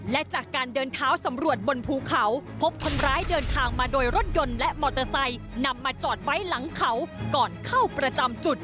และจากการเดินเท้าสำรวจบนภูเขาพบคนร้ายเดินทางมาโดยรถยนต์และมอเตอร์ไซค์นำมาจอดไว้หลังเขาก่อนเข้าประจำจุด